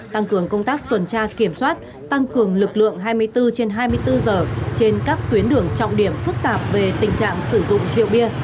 tăng cường công tác tuần tra kiểm soát tăng cường lực lượng hai mươi bốn trên hai mươi bốn giờ trên các tuyến đường trọng điểm phức tạp về tình trạng sử dụng rượu bia